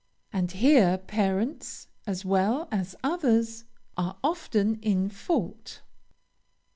And here parents, as well as others, are often in fault.